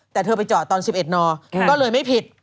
แต่เธอไปจอดตอน๑๑นก็เลยไม่ผิด